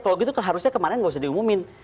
kalau gitu harusnya kemarin nggak usah diumumin